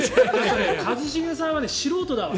一茂さんは素人だわ。